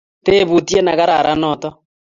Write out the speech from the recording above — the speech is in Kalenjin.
tebutie ne kararan noto